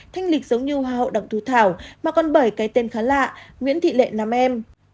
thanh lịch giống như hoa hậu đặng thù thảo mà còn bởi cái tên khá lạ nguyễn thị lệ nam em